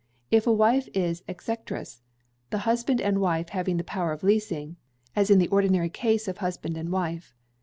If a wife is executrix, the husband and wife have the power of leasing, as in the ordinary case of husband and wife.